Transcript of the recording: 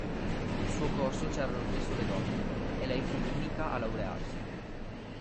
Nel suo corso c'erano due sole donne, e lei fu l'unica a laurearsi.